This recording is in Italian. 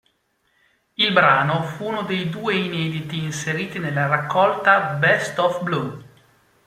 Il brano fu uno dei due inediti inseriti nella raccolta "Best of Blue".